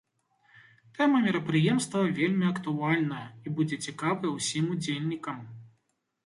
Тэма мерапрыемства вельмі актуальная і будзе цікавая ўсім удзельнікам.